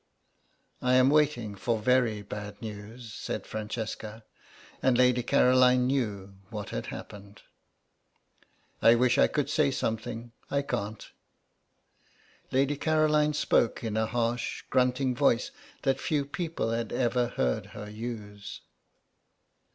"I am waiting for very bad news," said Francesca, and Lady Caroline knew what had happened. "I wish I could say something; I can't." Lady Caroline spoke in a harsh, grunting voice that few people had ever heard her use.